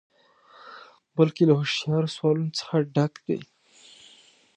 بلکې له هوښیارو سوالونو څخه ډک دی.